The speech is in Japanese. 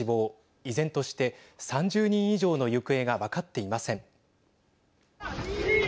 依然として３０人以上の行方が分かっていません。